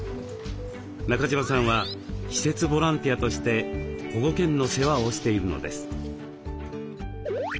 中島さんは「施設ボランティア」として保護犬の世話をしているのです。